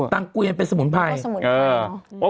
ตังกุยเป็นสมุนไพร